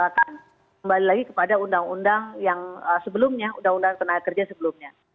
dibayangkan kembali lagi kepada undang undang yang sebelumnya undang undang tenaga kerja sebelumnya